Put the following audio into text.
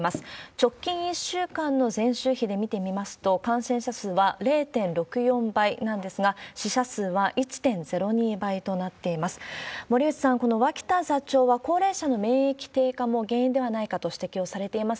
直近１週間の前週比で見てみますと、感染者数は０．６４倍なんですが、死者数は１．０２倍となっています。